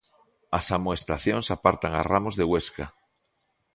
As amoestacións apartan a Ramos de Huesca.